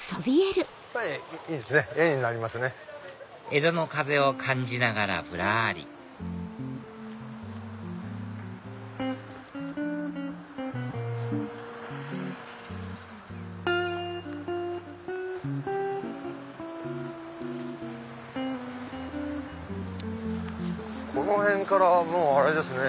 江戸の風を感じながらぶらりこの辺からはもうあれですね。